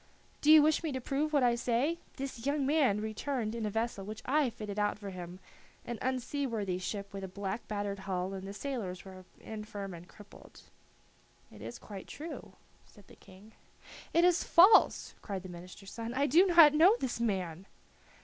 "Do you wish me to prove what I say? This young man returned in a vessel which I fitted out for him, an unseaworthy ship with a black battered hull, and the sailors were infirm and crippled." "It is quite true," said the King. "It is false," cried the minister's son. "I do not know this man!"